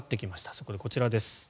そこでこちらです。